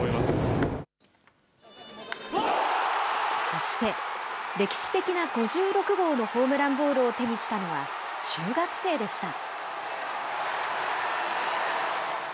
そして、歴史的な５６号のホームランボールを手にしたのは中学生でした。